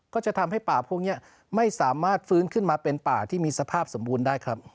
ก็จะทำให้ป่าพวกนี้ไม่สามารถฟื้นขึ้นมาเป็นป่าที่มีสภาพสมบูรณ์ได้ครับ